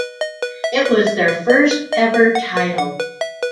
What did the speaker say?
It was their first ever title.